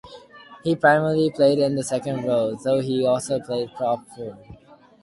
He primarily played in the second row, though he also played prop forward.